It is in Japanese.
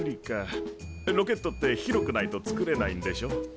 ロケットって広くないと作れないんでしょ？